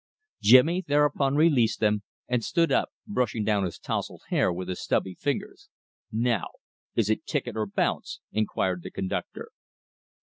Jimmy thereupon released them and stood up, brushing down his tousled hair with his stubby fingers. "Now is it ticket or bounce?" inquired the conductor.